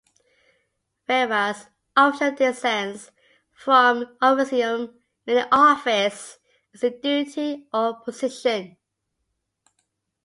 Whereas official descends from officium, meaning office, as in duty or position.